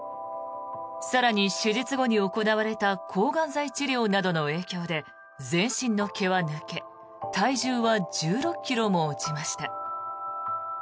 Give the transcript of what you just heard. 更に、手術後に行われた抗がん剤治療などの影響で全身の毛は抜け体重は１６ｋｇも落ちました。